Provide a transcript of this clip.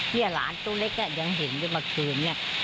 นี่หลานตัวเล็กยังเห็นเมื่อคืน